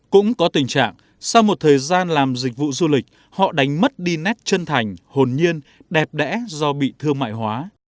cũng có tình trạng sau một thời gian làm dịch vụ du lịch họ đánh mất đi nét chân thành hồn nhiên đẹp đẽ do bị thương mại hóa